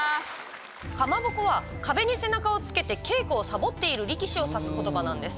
「かまぼこ」は壁に背中をつけて稽古をサボっている力士を指す言葉なんです。